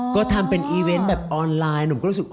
ก็ทำเป็นอีเวนต์แบบออนไลน์หนุ่มก็รู้สึก